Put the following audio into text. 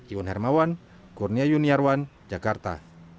iwan hermawan kurnia yuniarwan jakarta